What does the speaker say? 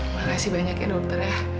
makasih banyak ya dokter ya